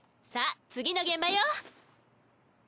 さぁ次の現場よ！